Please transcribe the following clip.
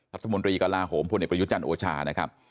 ทัพทมดรีกราโหมพ่อเน็ตประยุทธ์จันทร์โอชานะครับ